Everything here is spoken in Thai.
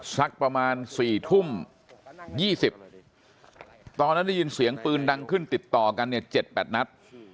สักประมาณ๔ทุ่ม๒๐ตอนนั้นได้ยินเสียงปืนดังขึ้นติดต่อกันเนี่ย๗๘นัด